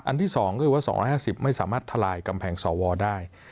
ที่๒ก็คือว่า๒๕๐ไม่สามารถทลายกำแพงสวได้